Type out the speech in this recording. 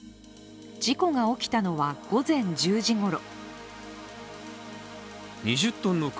事故が起きたのは、午前１０時ごろ。